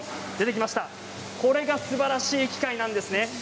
これがすばらしい機械なんですね。